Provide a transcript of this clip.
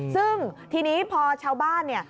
ซึ่งทีนี้พอชาวบ้านเนี่ย